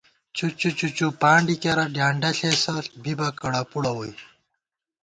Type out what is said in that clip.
چُچّو چُچّوپانڈی کېرہ، ڈیانڈہ ݪېسہ ، بِبہ کڑہ پُڑہ ووئی